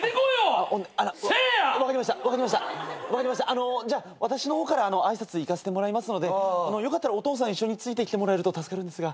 あの私の方から挨拶行かせてもらいますのでよかったらお父さん一緒についてきてもらえると助かるんですが。